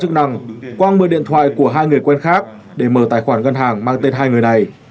trước năm quang mở điện thoại của hai người quen khác để mở tài khoản ngân hàng mang tên hai người này